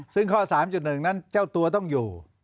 ซึ่งข้อ๓๑นั้นเจ้าตัวต้องอยู่